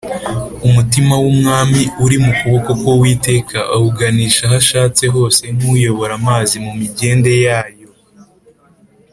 umutima w’umwami uri mu kuboko k’uwiteka, awuganisha aho ashatse hose nk’uyobora amazi mu migende yayo